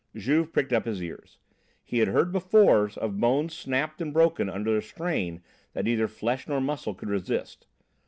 Juve pricked up his ears. He had heard before of bones snapped and broken under a strain that neither flesh nor muscle could resist.